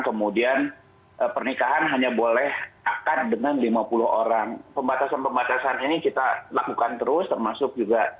kemudian pernikahan hanya boleh akan dengan lima puluh orang pembatasan pembatasan ini kita lakukan terus termasuk juga